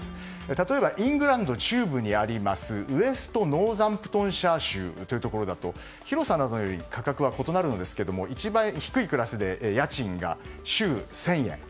例えば、イングランド中部のウェストノーザンプトンシャー州というところだと広さなどにより価格は異なりますが一番低いクラスで家賃が週１０００円。